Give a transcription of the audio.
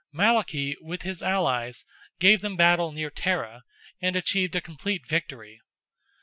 Malachy, with his allies, gave them battle near Tara, and achieved a complete victory.